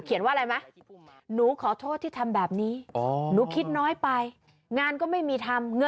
เขียนว่าอะไรมา